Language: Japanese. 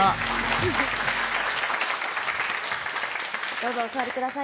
どうぞお座りください